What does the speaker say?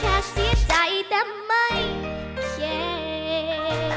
ฉันก็แค่เสียใจแต่ไม่เครียด